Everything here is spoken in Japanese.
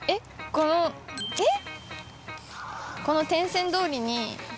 このえっ？